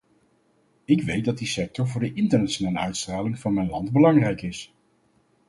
Ik weet dat die sector voor de internationale uitstraling van mijn land belangrijk is.